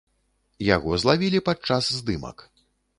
Яго злавілі падчас здымак.